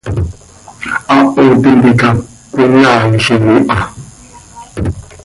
Haaho tintica cöconaaailim iha.